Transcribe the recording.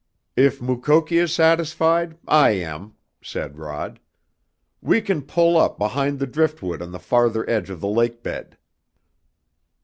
"If Mukoki is satisfied, I am," said Rod. "We can pull up behind the driftwood on the farther edge of the lake bed."